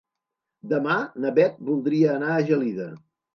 Demà na Bet voldria anar a Gelida.